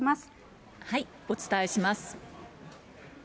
お伝えします。